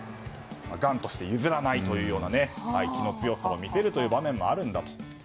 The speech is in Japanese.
頑として譲らないという気の強さを見せるという場面もあるんだと。